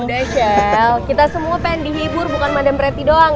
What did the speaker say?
udah michelle kita semua pengen dihibur bukan madam reti doang